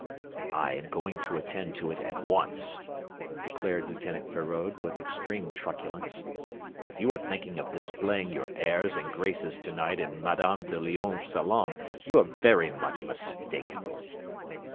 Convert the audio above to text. "I am going to attend to it at once," declared Lieutenant Feraud, with extreme truculence. "If you are thinking of displaying your airs and graces to night in Madame de Lionne's salon you are very much mistaken."